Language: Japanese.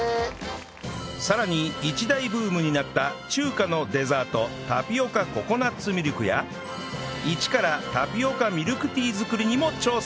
さらに一大ブームになった中華のデザートタピオカココナッツミルクや一からタピオカミルクティー作りにも挑戦